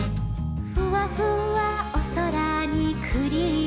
「ふわふわおそらにクリームだ」